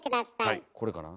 これかな？